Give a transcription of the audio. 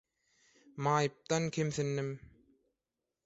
Maýypdan kemsindim.